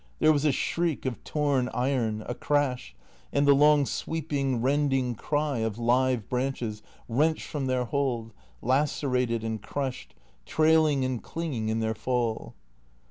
There was a shriek of torn iron, a crash, and the long sweeping, rending cry of live branches wrenched from their hold, lacerated and crushed, trailing and clinging in their fall.